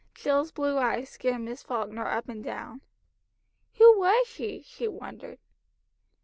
Jill's blue eyes scanned Miss Falkner up and down. "Who was she?" she wondered.